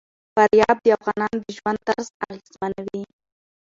فاریاب د افغانانو د ژوند طرز اغېزمنوي.